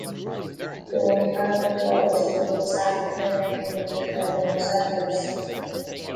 The Wilfandel Club is the oldest African-American women's club in Los Angeles.